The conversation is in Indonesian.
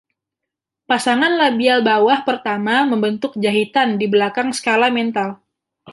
Pasangan labial bawah pertama membentuk jahitan di belakang skala mental.